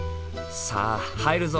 さあ入るぞ！